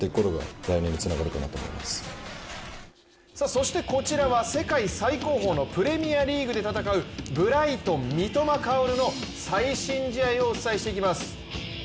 そしてこちらは世界最高峰のプレミアリーグで戦うブライトン・三笘薫の最新試合をお伝えしていきます。